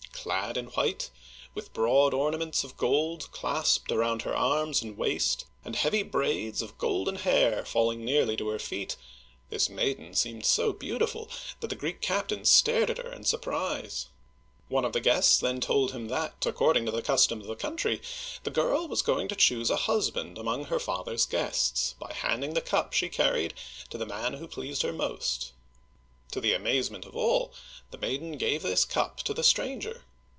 Clad in white, with broad ornaments of gold clasped around her arms and waist, and heavy braids of golden hair falling nearly to her feet, this maiden seemed so beautiful that the Greek captain stared at her in surprise. One of the guests then told him that, according to the custom of the country, the girl was going to choose a hus band among her father's guests, by handing the cup she carried to the man who pleased her most. To the amaze ment of all, the maiden gave this cup to the stranger.